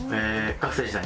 学生時代に？